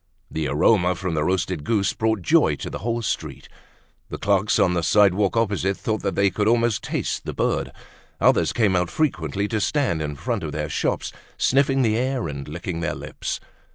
The aroma from the roasted goose brought joy to the whole street. The clerks on the sidewalk opposite thought they could almost taste the bird. Others came out frequently to stand in front of their shops, sniffing the air and licking their lips.